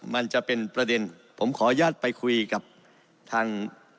มันจะเป็นประเด็นผมขออนุญาตไปคุยกับทาง